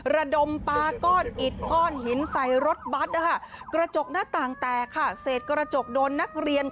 ระดมปลาก้อนอิดก้อนหินใส่รถบัตรอ่ะฮะ